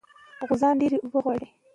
غوزان ډېرې اوبه غواړي.